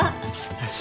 よし。